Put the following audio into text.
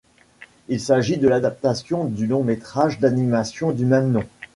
Il s'agit de l'adaptation du long-métrage d'animation du même nom.